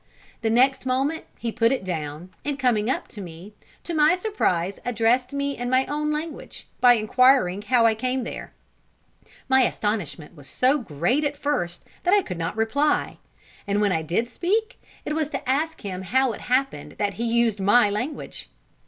The next moment he put it down, and coming up to me, to my surprise addressed me in my own language, by inquiring how I came there. My astonishment was so great at first that I could not reply; and when I did speak, it was to ask him how it happened that he used my language.